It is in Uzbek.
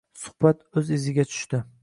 Suhbat oʻz iziga tushdi.